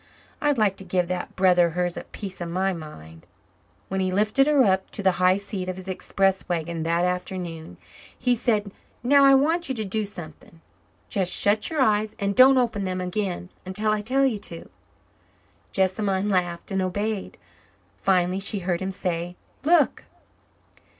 I'd like to give that brother of hers a piece of my mind." When he lifted her up to the high seat of his express wagon that afternoon he said, "Now, I want you to do something. Just shut your eyes and don't open them again until I tell you to." Jessamine laughed and obeyed. Finally she heard him say, "Look."